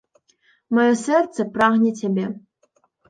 Маё сэрца прагне цябе.